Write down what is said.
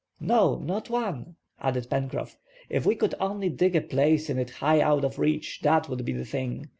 "No, not one!" added Pencroff. "If we could only dig a place in it high out of reach, that would be the thing!